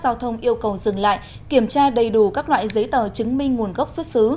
giao thông yêu cầu dừng lại kiểm tra đầy đủ các loại giấy tờ chứng minh nguồn gốc xuất xứ